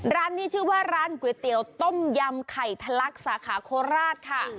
ร้านนี้ชื่อว่าร้านก๋วยเตี๋ยวต้มยำไข่ทะลักสาขาโคราชค่ะ